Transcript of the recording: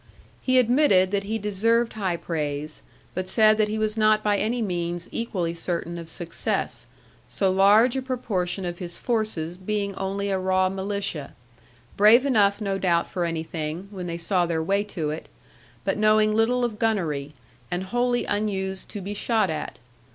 He admitted that he deserved high praise; but said that he was not by any means equally certain of success, so large a proportion of his forces being only a raw militia, brave enough no doubt for anything, when they saw their way to it; but knowing little of gunnery, and wholly unused to be shot at.